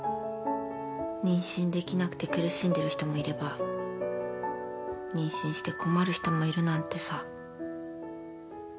妊娠できなくて苦しんでる人もいれば妊娠して困る人もいるなんてさ。